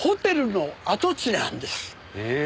へえ。